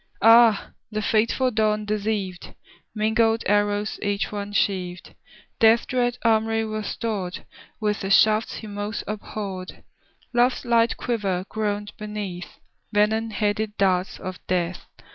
Ah, the fateful dawn deceived! Mingled arrows each one sheaved; Death's dread armoury was stored With the shafts he most abhorred; Love's light quiver groaned beneath Venom headed darts of Death.